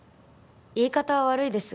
言い方は悪いですが